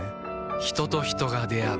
人と人が出会う